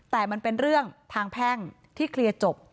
แต่มันเป็นเรื่องทางแพ่งที่เคลียร์จบ